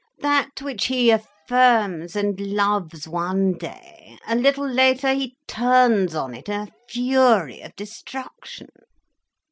That which he affirms and loves one day—a little latter he turns on it in a fury of destruction.